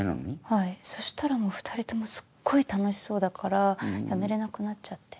はいそしたら２人ともすっごい楽しそうだからやめれなくなっちゃって。